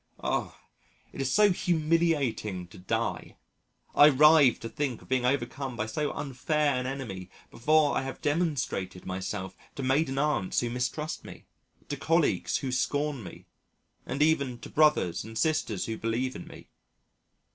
Oh! it is so humiliating to die! I writhe to think of being overcome by so unfair an enemy before I have demonstrated myself to maiden aunts who mistrust me, to colleagues who scorn me, and even to brothers and sisters who believe in me.